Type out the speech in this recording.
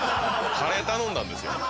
カレー頼んだんですよ。